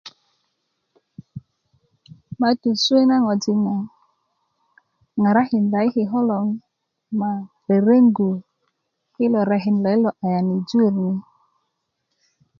maatú suwé na ŋojik na ŋarakindá i kiko lo ma reregú i lo rekin lo ilo ayan i jur ni